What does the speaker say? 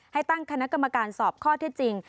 ให้ตั้งคณะกรรมการสอบข้อเท็จจริง